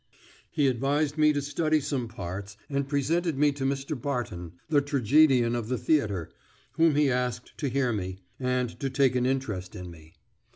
He advised me to study some parts, and presented me to Mr. Barton, the tragedian of the theatre, whom he asked to hear me, and to take an interest in me.